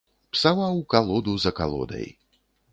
Псаваў калоду за калодай.